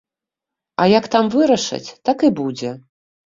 А як там вырашаць, так і будзе.